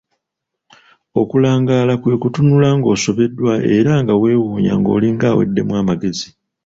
Okulangaala kwe kutunula ng'osobeddwa era nga weewuunya ng'olinga aweddemu amagezi.